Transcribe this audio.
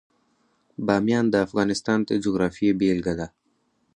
بامیان د افغانستان د جغرافیې بېلګه ده.